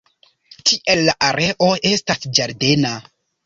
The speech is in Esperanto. Tiel la areo estas ĝardena.